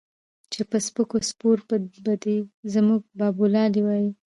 چې پۀ سپکو سپورو به دے زمونږ بابولالې وائي